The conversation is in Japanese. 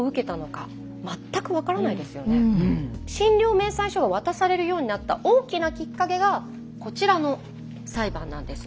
診療明細書が渡されるようになった大きなきっかけがこちらの裁判なんです。